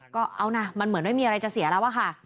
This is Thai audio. ก็เอานะมันเหมือนไม่มีอะไรจะเสียแล้วอะค่ะ